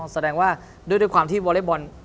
แสดงว่าด้วยความที่วอเล็กบอล